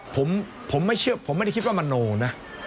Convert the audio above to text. ผมไม่ได้คิดว่ามะโนนะ